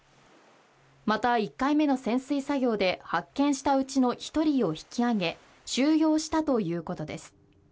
また１回目の潜水作業で発見したうちの１人を引き揚げ、収容したということです。